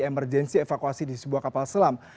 emergensi evakuasi di sebuah kapal selam